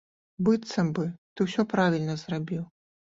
Быццам бы, ты ўсё правільна зрабіў.